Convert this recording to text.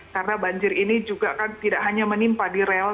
karena banjir ini juga kan tidak hanya menimpa di rel